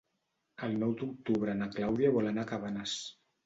El nou d'octubre na Clàudia vol anar a Cabanes.